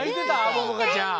ももかちゃん。